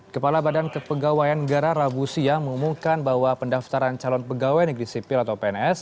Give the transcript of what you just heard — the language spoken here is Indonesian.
kepala badan kepegawaian negara rabu siang mengumumkan bahwa pendaftaran calon pegawai negeri sipil atau pns